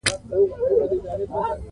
خواږه خوړل ګټه لري